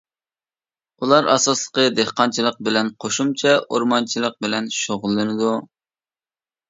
ئۇلار ئاساسلىقى دېھقانچىلىق بىلەن، قوشۇمچە ئورمانچىلىق بىلەن شۇغۇللىنىدۇ.